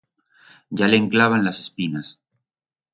Ya le'n clavan las espinas.